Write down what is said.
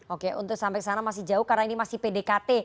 oke untuk sampai ke sana masih jauh karena ini masih pdkt